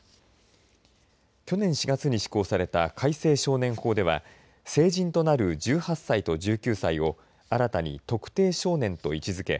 去年４月に施行された改正少年法では成人となる１８歳と１９歳を新たに特定少年と位置づけ